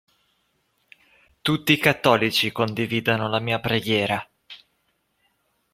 Tutti i cattolici condividano la mia preghiera